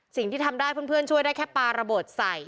สิ่งที่ทำได้เพื่อนช่วยได้แค่ปลาระเบิดใส่